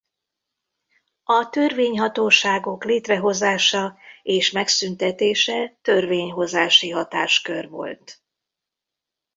A törvényhatóságok létrehozása és megszüntetése törvényhozási hatáskör volt.